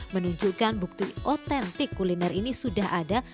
menunjukkan bukti otentik kuliner ini sudah ada